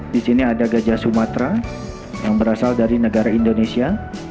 di sini ada gajah sumatera yang berasal dari negara indonesia